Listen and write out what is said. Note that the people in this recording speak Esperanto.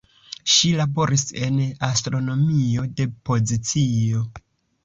Ŝi laboris en astronomio de pozicio.